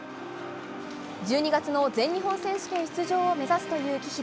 １２月の全日本選手権出場を目指すという紀平。